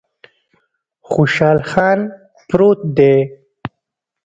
خوشحال خان پروت دی